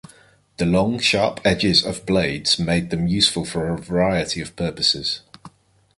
The long sharp edges of blades made them useful for a variety of purposes.